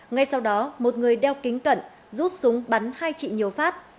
ngay sau đó một người đeo kính cận rút súng bắn hai chị nhiều phát